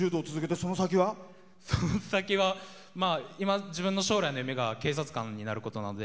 その先は今、自分の将来の夢が警察官になることなので。